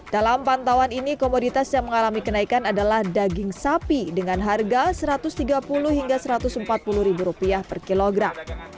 dalam pantauan ini komoditas yang mengalami kenaikan adalah daging sapi dengan harga rp satu ratus tiga puluh hingga rp satu ratus empat puluh per kilogram